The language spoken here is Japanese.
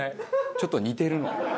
ちょっと似てるの。